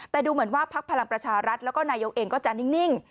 แต่ดูเหมือนว่าพักพลังประชารัฐแล้วก็นายกเองก็จะนิ่ง